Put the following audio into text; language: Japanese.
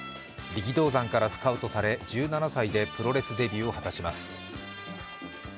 力道山からスカウトされ、１７歳でプロレスデビューを果たします。